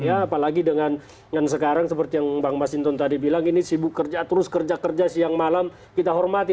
apalagi dengan yang sekarang seperti yang bang masinton tadi bilang ini sibuk kerja terus kerja kerja siang malam kita hormati